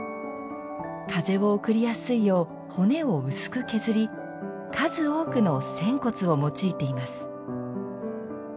風を送りやすいよう骨を薄く削り数多くの扇骨を用いています。